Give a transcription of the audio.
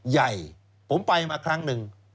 ใหญ่ผมไปมาครั้งหนึ่ง